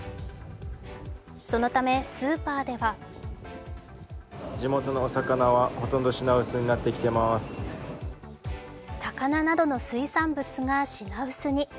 そのためスーパーでは魚などの水産物が品薄に。